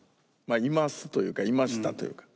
いますというかいましたというか。